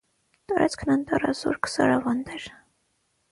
Տարածքն անտառազուրկ սարավանդ էր։